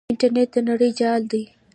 انټرنیټ د نړۍ جال دی.